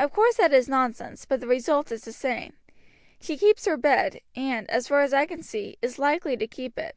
Of course that is nonsense, but the result is the same. She keeps her bed, and, as far as I can see, is likely to keep it.